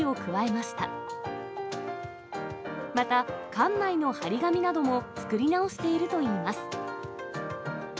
また、館内の貼り紙なども作り直しているといいます。